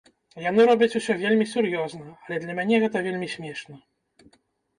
Яны робяць усё вельмі сур'ёзна, але для мяне гэта вельмі смешна.